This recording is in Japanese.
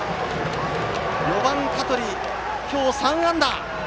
４番、香取今日３安打！